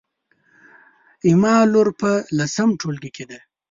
زما لور په لسم ټولګي کې ده